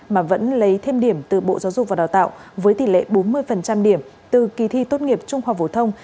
mà vẫn lấy thêm điểm từ bộ giáo dục và đào tạo với tỷ lệ bốn mươi điểm từ kỳ thi tốt nghiệp trung học phổ thông